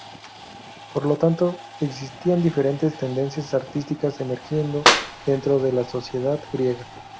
Por lo tanto existían diferentes tendencias artísticas emergiendo dentro de la sociedad griega.